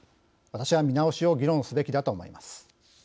私は見直しを議論すべきだと思います。